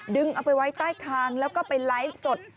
เอาไปไว้ใต้คางแล้วก็ไปไลฟ์สด